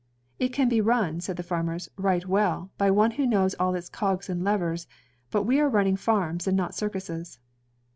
"It can be run," said the farmers, "right well, by one who knows all its cogs and levers, but we are running farms and not circuses."